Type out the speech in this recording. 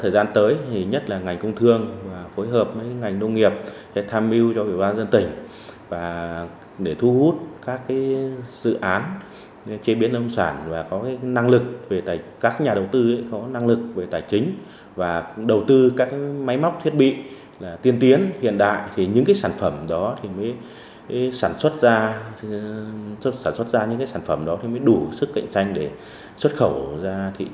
sản xuất ra những sản phẩm đó mới đủ sức cạnh tranh để xuất khẩu ra thị trường nước ngoài